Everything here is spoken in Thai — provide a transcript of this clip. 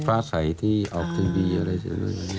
ฟ้าใสที่ออกทีวีอะไรเฉย